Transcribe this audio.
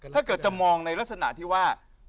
ถ้าเกิดจะมองในลักษณะที่ว่า